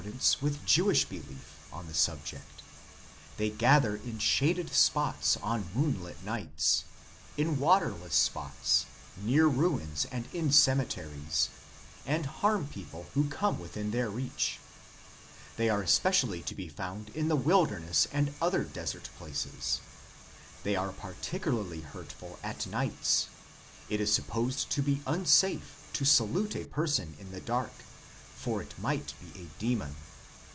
THE DEMONOLOGY OF THE SEMITES 31 ance with Jewish belief on the subject ; they gather in shaded spots on moonlight nights, in waterless spots, near ruins, and in cemeteries, and harm people who come within their reach ; they are especially to be found in the wilder ness and other desert places ; they are particularly hurtful at nights ; it is supposed to be unsafe to salute a perso n in the dark, for it might be a demon.